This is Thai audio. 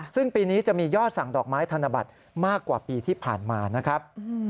ซึ่งปีนี้จะมียอดสั่งดอกไม้ธนบัตรมากกว่าปีที่ผ่านมานะครับ